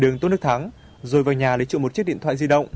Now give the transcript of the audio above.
đường tôn đức thắng rồi vào nhà lấy trộm một chiếc điện thoại di động